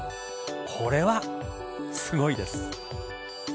これはすごいです。